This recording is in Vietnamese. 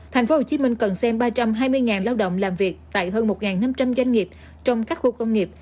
tp hcm cần xem ba trăm hai mươi lao động làm việc tại hơn một năm trăm linh doanh nghiệp trong các khu công nghiệp